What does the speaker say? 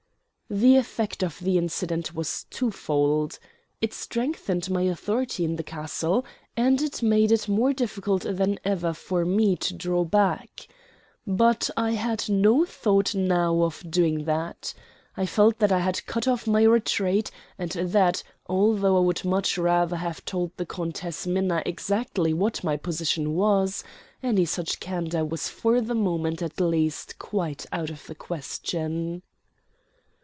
The effect of the incident was twofold it strengthened my authority in the castle, and it made it more difficult than ever for me to draw back. But I had no thought now of doing that. I felt that I had cut off my retreat; and that, although I would much rather have told the Countess Minna exactly what my position was, any such candor was for the moment at least quite out of the question.